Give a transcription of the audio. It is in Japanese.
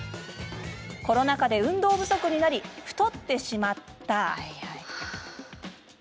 コロナ禍で運動不足になり太ってしまった。